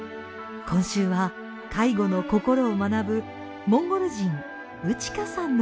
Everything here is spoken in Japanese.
今週は介護の心を学ぶモンゴル人ウチカさんの物語です。